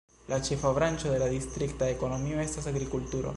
La ĉefa branĉo de la distrikta ekonomio estas agrikulturo.